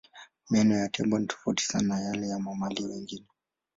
Meno ya tembo ni tofauti sana na yale ya mamalia wengine.